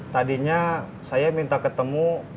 tadinya saya minta ketemu